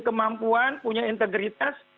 kemampuan punya integritas